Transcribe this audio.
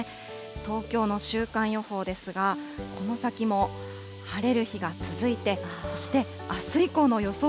東京の週間予報ですが、この先も晴れる日が続いて、そしてあす以降の予想